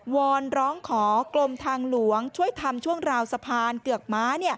อนร้องขอกรมทางหลวงช่วยทำช่วงราวสะพานเกือกม้า